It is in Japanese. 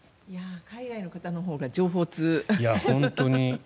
海外の方のほうが情報通。